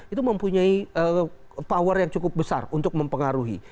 itu mempunyai power yang cukup besar untuk mempengaruhi